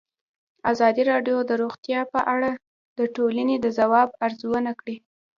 ازادي راډیو د روغتیا په اړه د ټولنې د ځواب ارزونه کړې.